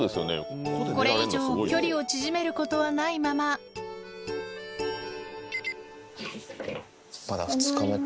これ以上距離を縮めることはないまままだ２日目か。